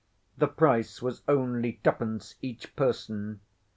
The price was only two pence each person.